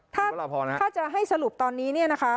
ถ้าจะให้สรุปตอนนี้